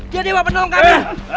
dia dewa penolong kami